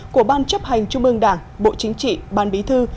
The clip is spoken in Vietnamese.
của ban chấp hành trung ương đảng bộ chính trị ban bí thư